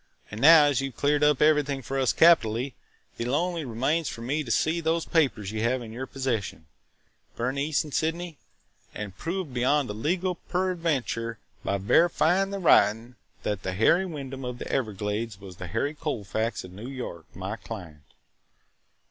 "And now, as you 've cleared everything up for us capitally, it only remains for me to see those papers you have in your possession, Bernice and Sydney, and prove beyond a legal peradventure, by verifying the writing, that the Harry Wyndham of the Everglades was the Harry Colfax of New York, my client.